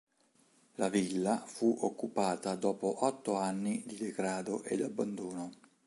La villa fu occupata dopo otto anni di degrado ed abbandono.